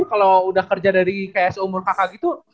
kalau udah kerja dari kayak seumur kakak gitu